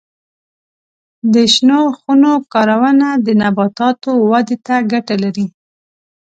د شنو خونو کارونه د نباتاتو ودې ته ګټه لري.